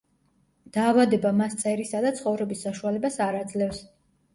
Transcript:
დაავადება მას წერისა და ცხოვრების საშუალებას არ აძლევს.